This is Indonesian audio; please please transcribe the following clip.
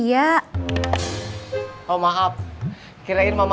ya udah kita pulang dulu aja